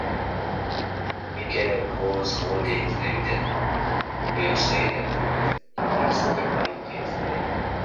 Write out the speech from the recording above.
Michael Kors Holdings Limited had previously expressed interest in buying Kate Spade.